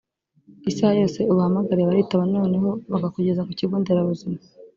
Isaha yose ubahamagariye baritaba noneho bakakugeza ku kigo nderabuzima